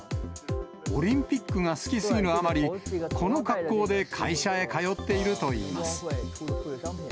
オリンピックが好きすぎるあまり、この格好で会社へ通っているといいます。